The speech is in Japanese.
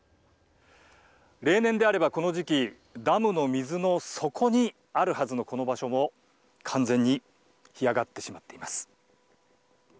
例年であればこの時期ダムの水の底にあるはずのこの場所も完全に干上がってしまっています。